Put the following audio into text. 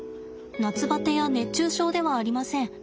夏バテや熱中症ではありません。